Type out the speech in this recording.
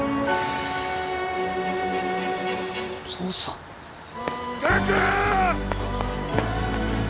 父さん岳！